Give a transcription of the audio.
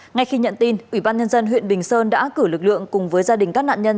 ngay khi nhận tin ủy ban nhân dân huyện bình sơn đã cử lực lượng cùng với gia đình các nạn nhân